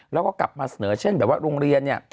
แล้วก็กลับมาเสนอเช่นแบบว่าโรงเรียนเนี่ย